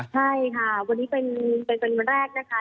ใช่ค่ะวันนี้เป็นวันแรกนะคะ